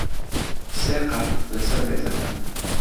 سێ قاپ لەسەر مێزەکەن.